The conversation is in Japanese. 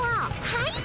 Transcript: はい。